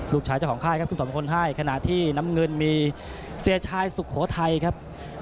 ลูกชายเจ้าของค่ายครับขึ้นถอดมงคลให้ขณะที่น้ำเงินมีเซียชายสุโขทัยครับ